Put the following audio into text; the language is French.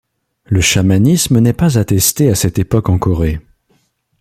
Le chamanisme n'est pas attesté à cette époque en Corée.